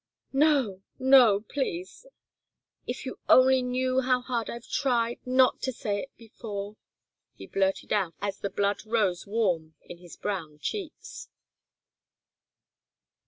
"No no please " "If you only knew how hard I've tried not to say it before," he blurted out, as the blood rose warm in his brown cheeks.